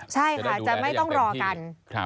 ใช่ค่ะจะไม่ต้องรอกัน